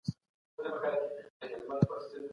ولي د فابریکو د اوبو مدیریت د چاپېریال ساتنه تضمینوي؟